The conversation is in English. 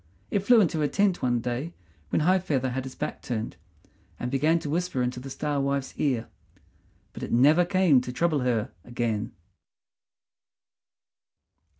It flew into the tent one day when High feather had his back turned, and began to whisper into the Star wife's ear; but it never came to trouble her again.